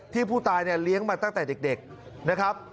ผู้ตายเนี่ยเลี้ยงมาตั้งแต่เด็กนะครับ